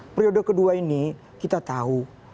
periode kedua ini kita tahu